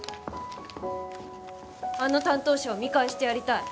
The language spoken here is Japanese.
あの担当者を見返してやりたい。